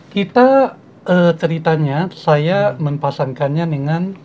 kita ceritanya saya mempasangkannya dengan